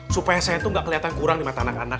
supaya saya tuh gak kelihatan kurang di mata anak anak